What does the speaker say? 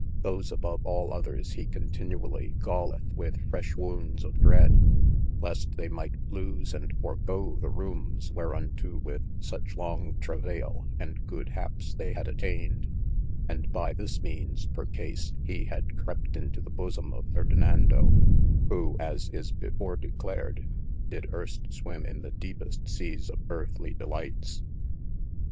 Those above al others he continually gauleth with fresh wouds of dread, least they might lose and forgo the roomes wherunto with such long travaile and good happes they had attained, and by this meanes percase he had crept into the bosom of Ferdinando, who (as is before declared) did earst swimme in the deepest seas of earthly delightes.